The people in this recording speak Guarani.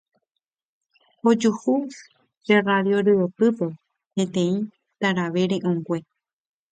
Ojuhu pe radio ryepýpe peteĩ tarave re'õngue.